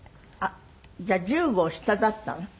あっじゃあ１５下だったの？